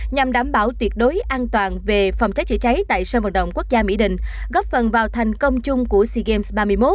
nhằm đảm bảo tuyệt đối an toàn về phòng cháy chữa cháy tại sân vận động quốc gia mỹ đình góp phần vào thành công chung của sea games ba mươi một